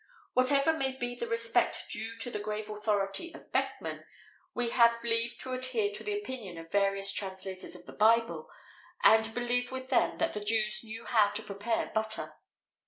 Whatever may be the respect due to the grave authority of Beckmann, we beg leave to adhere to the opinion of various translators of the Bible, and believe with them that the Jews knew how to prepare butter.